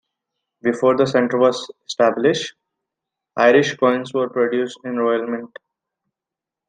Before the centre was established, Irish coins were produced in the Royal Mint.